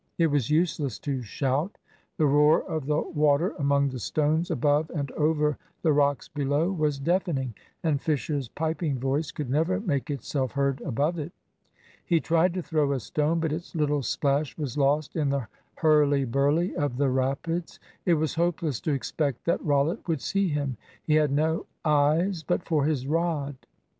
It was useless to shout. The roar of the water among the stones above and over the rocks below was deafening, and Fisher's piping voice could never make itself heard above it. He tried to throw a stone, but its little splash was lost in the hurly burly of the rapids. It was hopeless to expect that Rollitt would see him. He had no eyes but for his rod.